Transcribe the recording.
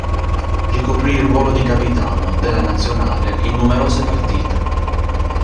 Ricoprì il ruolo di capitano della nazionale in numerose partite.